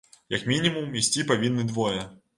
Як мінімум, ісці павінны двое.